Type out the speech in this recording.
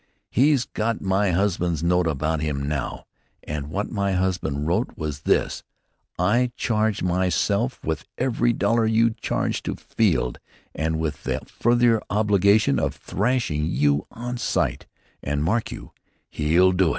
He's got my husband's note about him now, and what my husband wrote was this 'I charge myself with every dollar you charge to Field, and with the further obligation of thrashing you on sight' and, mark you, he'll do it!"